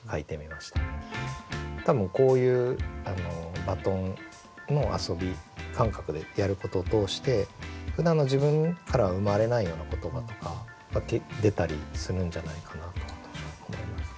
多分こういうバトンの遊び感覚でやることを通してふだんの自分からは生まれないような言葉とか出たりするんじゃないかなと思います。